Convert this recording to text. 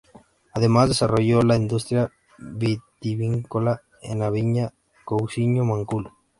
Además, desarrolló la industria vitivinícola en la viña Cousiño Macul.